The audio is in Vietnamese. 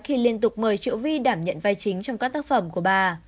khi liên tục mời triệu vi đảm nhận vai chính trong các tác phẩm của bà